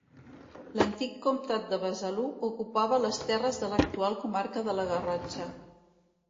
L'antic comtat de Besalú ocupava les terres de l'actual comarca de la Garrotxa.